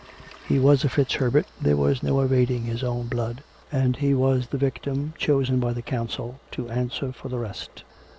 He was a FitzHerbert; there was no evading his own blood; and he was the victim chosen by the Council to answer for the COME RACK! COME ROPE! 243 rest.